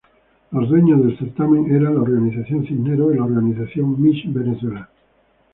Los dueños del certamen eran la Organización Cisneros y la Organización Miss Venezuela.